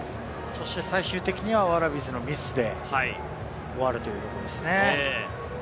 そして最終的にはワラビーズのミスで終わるということですね。